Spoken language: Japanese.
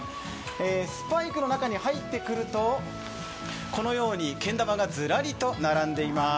ＳＰＩＫｅの中に入ってくると、このようにけん玉がズラリと並んでいます。